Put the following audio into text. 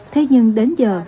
thế nhưng đến giờ